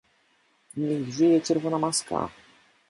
Niech żyje Czerwona Maska!